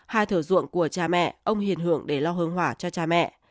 hai thửa ruộng của cha mẹ ông hiền hưởng để lo hương hỏa cho cha mẹ